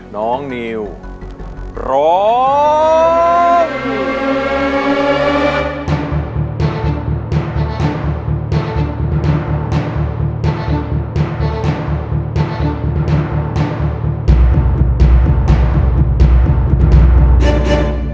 น้องนิวร้อง